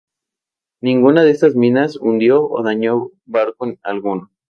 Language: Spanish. Ninguna de estas minas hundió o dañó barco alguno.